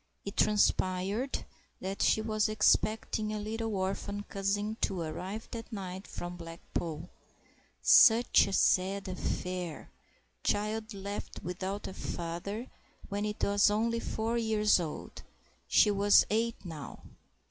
It transpired that she was expecting a little orphan cousin to arrive that night from Blackpool; such a sad affair—child left without a father when it was only four years old—she was eight now.